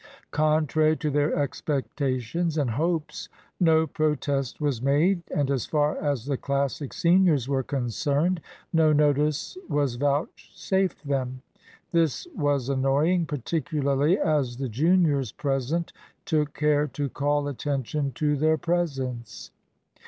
Contrary to their expectations and hopes, no protest was made, and, as far as the Classic seniors were concerned, no notice was vouchsafed them. This was annoying, particularly as the juniors present took care to call attention to their presence.